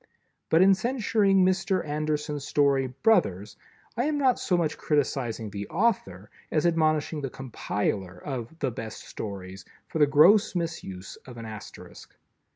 But in censuring Mr. Anderson's story "Brothers," I am not so much criticizing the author as admonishing the compiler of "The Best Stories" for the gross misuse of an Asterisk.